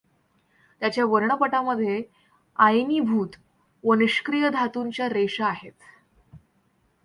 त्याच्या वर्णपटामध्ये आयनीभूत व निष्क्रिय धांतूंच्या रेषा आहेत.